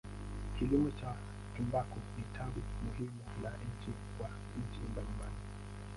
Kilimo cha tumbaku ni tawi muhimu la uchumi kwa nchi mbalimbali.